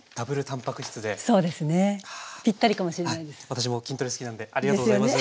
私も筋トレ好きなんでありがとうございます。